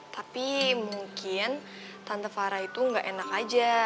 tapi mungkin tante farah itu gak enak aja